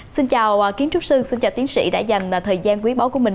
xin chào kiến trúc sư xin chào tiến sĩ đã dành thời gian quý báu của mình